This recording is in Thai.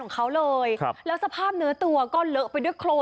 ของเขาเลยครับแล้วสภาพเนื้อตัวก็เลอะไปด้วยโครน